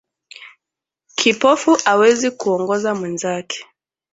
Kipofu awezi kuongoza mwenzake